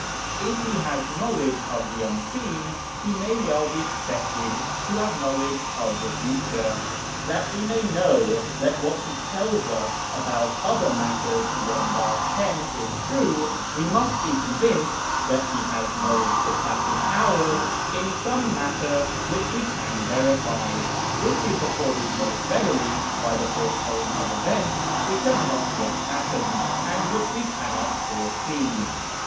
If he has knowledge of the Unseen he may well be expected to have knowledge of the Future. That we may know that what he tells us about other matters beyond our ken is true, we must be convinced that he has knowledge surpassing ours in some matter which we can verify. This is afforded most readily by the foretelling of events which have not yet happened, and which we cannot foresee.